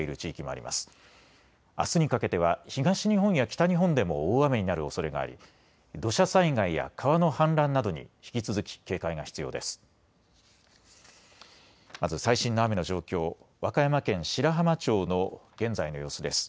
あすにかけては東日本や北日本でも大雨になるおそれがあり、土砂災害や川の氾濫などに引き続き警戒が必要です。